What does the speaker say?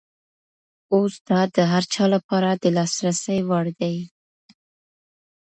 اوس دا د هر چا لپاره د لاسرسي وړ دی.